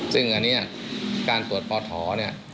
ซึ่งอันนี้การตรวจพอถอเนี่ย